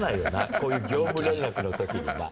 こういう業務連絡の時にな。